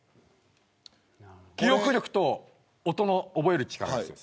記憶力と音の覚える力です。